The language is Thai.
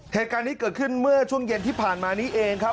เหตุการณ์นี้เกิดขึ้นเมื่อช่วงเย็นที่ผ่านมานี้เองครับ